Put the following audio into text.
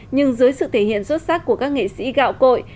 nhưng dưới sự thể hiện xuất sắc của các nghệ sĩ gạo cội